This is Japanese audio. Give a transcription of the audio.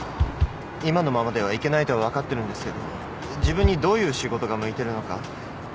今のままではいけないとは分かってるんですけど自分にどういう仕事が向いてるのか。